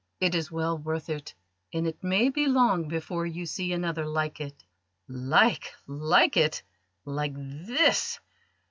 It is well worth it, and it may be long before you see another like it." "Like like it, like this!